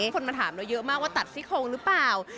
คนมาถามเราเยอะมากว่าตัดซี่โครงหรือเปล่า